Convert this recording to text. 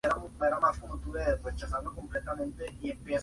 Estas podrían ser las antiguas características morfológicas de los eucariotas.